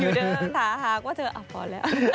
อยู่เดิ้โดยท้าหากว่าเธออะพอแล้ว